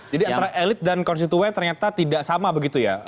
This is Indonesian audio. antara elit dan konstituen ternyata tidak sama begitu ya